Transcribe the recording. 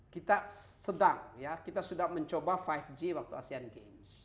kita sedang ya kita sudah mencoba lima g waktu asean games